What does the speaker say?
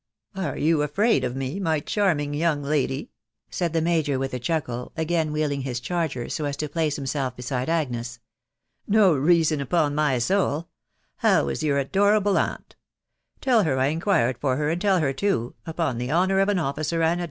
" Are you afraid of me, my charming young lady?1' wmk the major with a chuckle, again wheekng W charger a© aa to place himself beside Agnes. .,. "No reasom, upon, my .aouh..... How is your adorable aunt ?.... Tell her I in gad ig ill far her, and tell her, too, upon the honour of an afiatr aadt a.